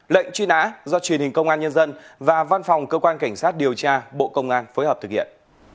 lệnh truy nã do truyền hình công an nhân dân và văn phòng cơ quan cảnh sát điều tra bộ công an phối hợp thực hiện